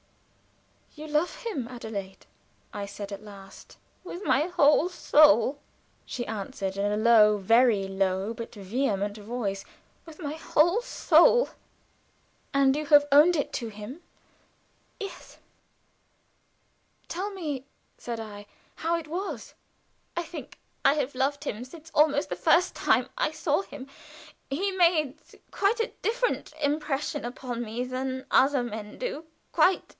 "You love him, Adelaide?" I said, at last. "With my whole soul!" she answered, in a low, very low, but vehement voice. "With my whole soul." "And you have owned it to him?" "Yes." "Tell me," said I, "how it was." "I think I have loved him since almost the first time I saw him he made quite a different impression upon me than other men do quite.